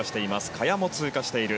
萱も通過している。